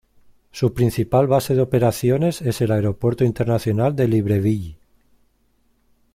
Su principal base de operaciones es el Aeropuerto Internacional de Libreville.